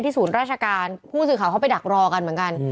ศูนย์ราชการผู้สื่อข่าวเขาไปดักรอกันเหมือนกัน